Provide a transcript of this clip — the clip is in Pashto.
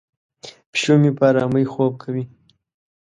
پیشو مې په آرامۍ خوب کوي.